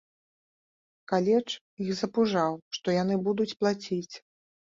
Каледж іх запужаў, што яны будуць плаціць.